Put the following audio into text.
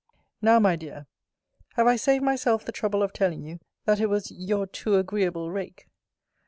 Now, my dear, have I saved myself the trouble of telling you, that it was you too agreeable rake.